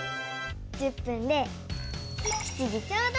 １０分で７時ちょうど！